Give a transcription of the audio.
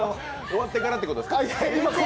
終わってからということですか？